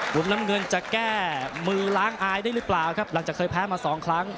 มุมน้ำเงินจะแก้มือล้างอายได้หรือเปล่าครับหลังจากเคยแพ้มาสองครั้ง